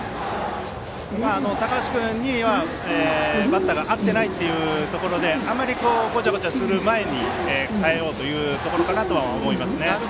高橋君にバッターが合っていないというところでごちゃごちゃする前に代えようというところかなと思いますね。